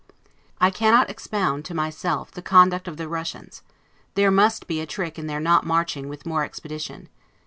I cannot expound to myself the conduct of the Russians. There must be a trick in their not marching with more expedition.